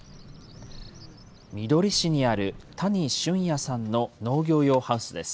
みどり市にある谷駿耶さんの農業用ハウスです。